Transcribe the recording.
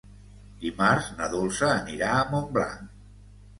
Dimarts na Dolça anirà a Montblanc.